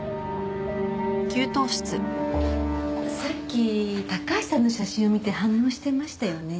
さっき高橋さんの写真を見て反応してましたよね。